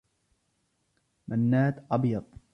منّاد أبيض.